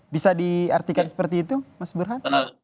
bisa diartikan seperti itu mas burhan